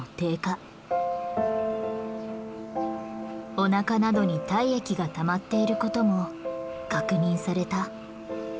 おなかなどに体液がたまっていることも確認された。